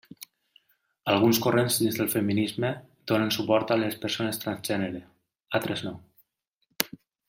Alguns corrents dins del feminisme donen suport a les persones transgènere, altres no.